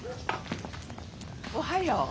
おはよう。